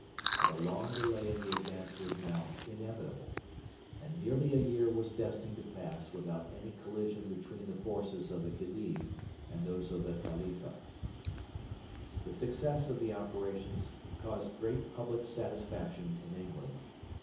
But a long delay in the advance was now inevitable, and nearly a year was destined to pass without any collision between the forces of the Khedive and those of the Khalifa. The success of the operations caused great public satisfaction in England.